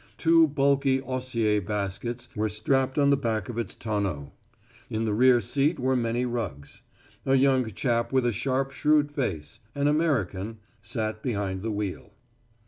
Two bulky osier baskets were strapped on the back of its tonneau; in the rear seat were many rugs. A young chap with a sharp shrewd face an American sat behind the wheel.